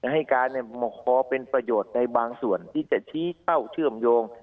ให้การขอเป็นประโยชน์ในบางส่วนที่จะชี้เข้าเชื่อมโยง